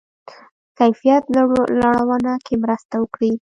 کیفیت لوړونه کې مرسته وکړي.